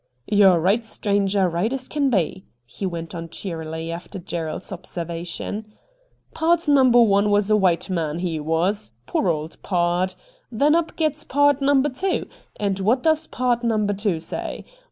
' You are right, stranger, right as can be,' he went on cheerily after Gerald's observation. ' Pard number one was a white man, he was. Poor old pard ! Then up gets pard number two — and what does pard number two say